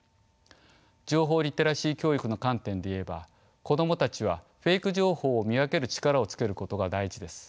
情報リテラシー教育の観点で言えば子供たちはフェイク情報を見分ける力をつけることが大事です。